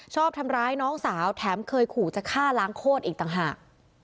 ชอบทำร้ายน้องสาวแถมเคยขู่จะฆ่าล้างโคตรอีกต่างหาก